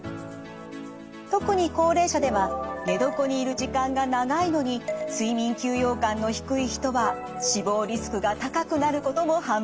特に高齢者では寝床にいる時間が長いのに睡眠休養感の低い人は死亡リスクが高くなることも判明。